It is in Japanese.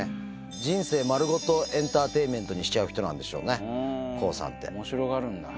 人生丸ごとエンターテインメントにしちゃう人なんでしょうね、おもしろがるんだ。